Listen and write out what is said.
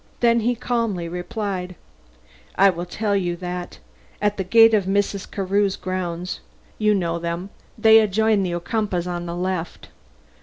Then he calmly replied: "I will tell you that. At the gate of Mrs. Carew's grounds. You know them? They adjoin the Ocumpaughs' on the left."